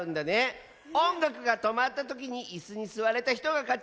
おんがくがとまったときにいすにすわれたひとがかち！